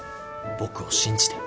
僕を信じて。